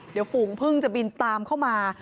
เดี๋ยวฝูงพึ่งจะบินตามเข้ามา